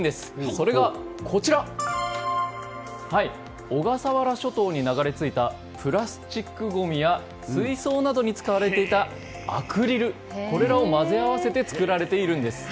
それがこちら、小笠原諸島に流れ着いたプラスチックごみや水槽などに使われていたアクリルこれらが混ぜ合わせて作られているんです。